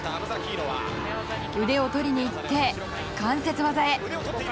腕を取りにいって関節技へ。